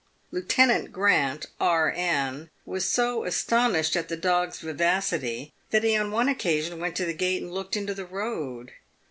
Lieu tenant Grant, E.N., was so astonished at the dog's vivacity, that he on one occasion went to the gate and looked into the road.